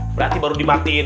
berarti baru dimatiin